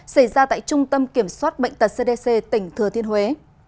xảy ra tại trung tâm kiểm soát bệnh tật cdc tỉnh thừa thiên huế